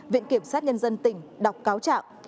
viện kiểm sát nhân dân tỉnh đọc cáo trạng